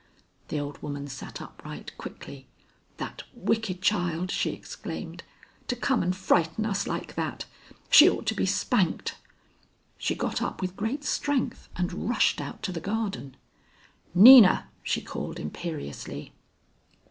The old woman sat upright quickly. "That wicked child!" she exclaimed. "To come and frighten us like that. She ought to be spanked." She got up with great strength and rushed out to the garden. "Nina!" she called imperiously.